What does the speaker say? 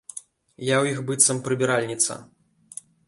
Я ў іх быццам прыбіральніца.